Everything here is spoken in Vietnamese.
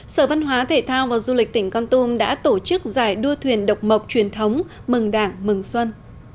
sở văn hóa thể thao và du lịch tỉnh con tum đã tổ chức giải đua thuyền độc mộc truyền thống mừng đảng mừng xuân